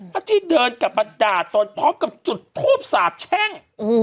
ที่เดินกลับมาด่าตนพร้อมกับจุดทูบสาบแช่ง